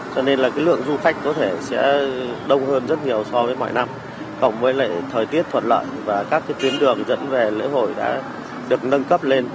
cho nên là cái lượng du khách có thể sẽ đông hơn rất nhiều so với mọi năm cộng với lại thời tiết thuận lợi và các tuyến đường dẫn về lễ hội đã được nâng cấp lên